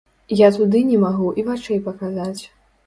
Я туды не магу і вачэй паказаць.